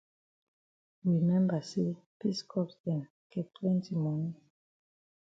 We memba say peace corps dem get plenti moni.